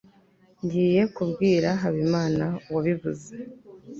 ngiye kubwira habimana wabivuze